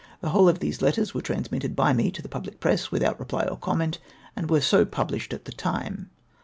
The whole of these letters were transmitted by me to the public press, without reply or comment, and were so pid)lished at the time.